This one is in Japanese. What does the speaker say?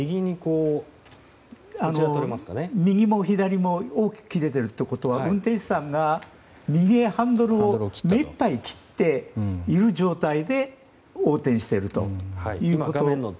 右も左も切れているということは運転手さんが、右へハンドルを目いっぱい、切った状態で横転しているということです。